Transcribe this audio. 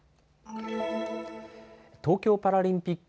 東京パラリンピック